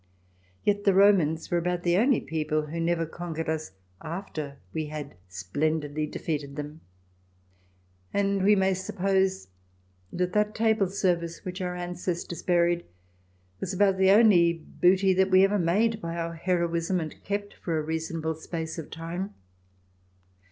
Yet the Romans were about the only people who never conquered us after we had spendidly defeated them, and we may sup pose that that table service which our ancestors buried was about the only booty that we ever made by our heroism and kept for a reasonable space of time.